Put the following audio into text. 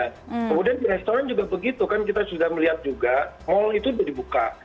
kemudian di restoran juga begitu kan kita sudah melihat juga mal itu sudah dibuka